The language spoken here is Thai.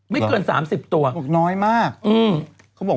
ไม่เกิน๓๐ตัว